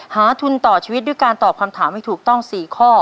ทุนต่อชีวิตด้วยการตอบคำถามให้ถูกต้อง๔ข้อ